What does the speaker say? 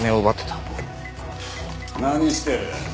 何してる？